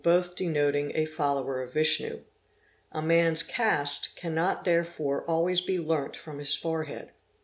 both denoting a follower of Vishnu. A man's caste cannot therefore always be learnt from his forehead.